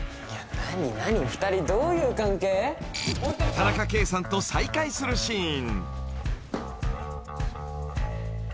［田中圭さんと再会するシーン］